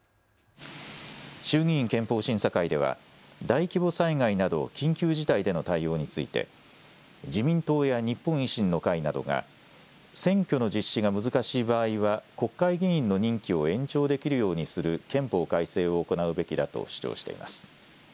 衆議院憲法審査会では大規模災害など緊急事態での対応について自民党や日本維新の会などが選挙の実施が難しい場合は国会議員の任期を延長できるようにする憲法改正を行うべきだと主張しています。